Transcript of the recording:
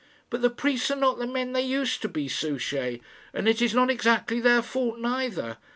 "But the priests are not the men they used to be, Souchey. And it is not exactly their fault neither.